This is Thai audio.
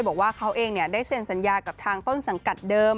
บอกว่าเขาเองได้เซ็นสัญญากับทางต้นสังกัดเดิม